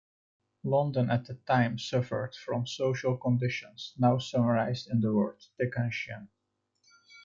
London at the time suffered from social conditions now summarised in the word "Dickensian".